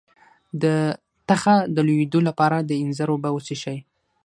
د تخه د لوییدو لپاره د انځر اوبه وڅښئ